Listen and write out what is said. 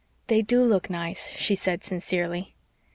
"They DO look nice," she said sincerely.